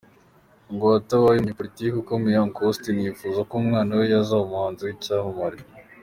Ngo atabaye umunyepolitiki ukomeye, Uncle Austin yifuza ko umwana we yazaba umuhanzi w’icyamamare.